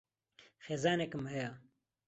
خێزانێکم ھەیە.